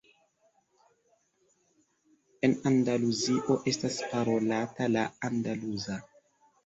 En Andaluzio estas parolata la andaluza.